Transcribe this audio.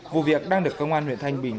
vụ việc đang được công an huyện thanh bình